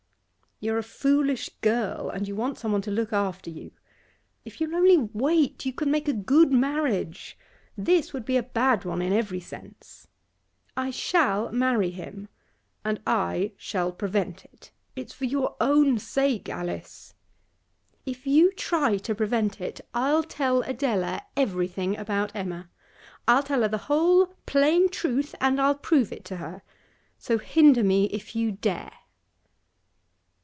'You're a foolish girl, and you want someone to look after you. If you'll only wait you can make a good marriage. This would be a bad one, in every sense.' 'I shall marry him.' 'And I shall prevent it. It's for your own sake, Alice.' 'If you try to prevent it I'll tell Adela everything about Emma I I'll tell her the whole plain truth, and I'll prove it to her. So hinder me if you dare!